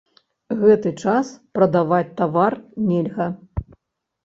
Гэты час прадаваць тавар нельга.